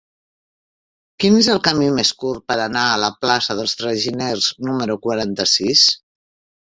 Quin és el camí més curt per anar a la plaça dels Traginers número quaranta-sis?